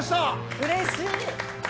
うれしい！